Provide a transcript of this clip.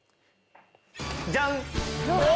ジャン！